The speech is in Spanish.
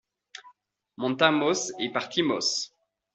montamos y partimos.